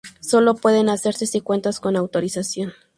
solo pueden hacerse si cuentas con autorización